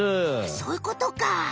そういうことか。